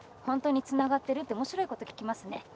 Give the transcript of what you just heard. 「本当につながってる？」って面白いこと聞きますね。